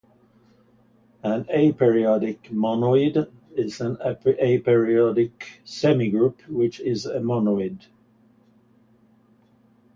An aperiodic monoid is an aperiodic semigroup which is a monoid.